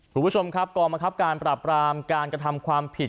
ดูชมครับกรมอาคับการปราบรามการกระทำความผิด